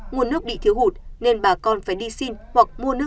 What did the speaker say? nguồn nước bị thiếu hụt nên bà con phải đi xin hoặc mua nước